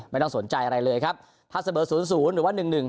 ไม่ต้องสนใจอะไรเลยครับถ้าเสมอศูนย์ศูนย์หรือว่าหนึ่งหนึ่ง